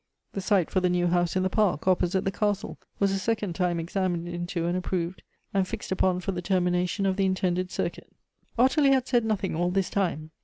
The site for the new house in the park, opposite the castle, was a second time examined into and approved, and fixed upon for the termination of the intended circuit. Ottilie had said nothing all this time.